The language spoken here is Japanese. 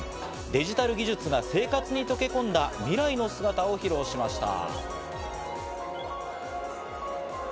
デジタル技術が生活に溶け込んだ未来の姿を披露しました。